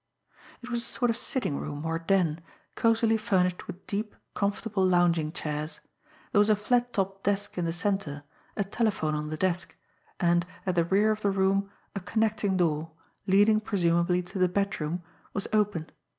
It was a sort of sitting room, or den, cosily furnished with deep, comfortable lounging chairs. There was a flat topped desk in the centre, a telephone on the desk; and at the rear of the room a connecting door, leading presumably to the bedroom, was open.